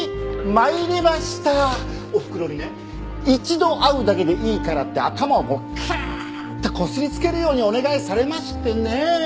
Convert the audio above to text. おふくろにね一度会うだけでいいからって頭をもうクーッとこすりつけるようにお願いされましてねえ。